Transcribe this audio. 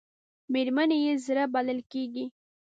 مېرمنې یې زړه بلل کېږي .